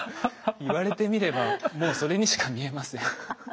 言われてみればもうそれにしか見えません。